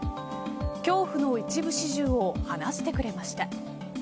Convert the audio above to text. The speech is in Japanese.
恐怖の一部始終を話してくれました。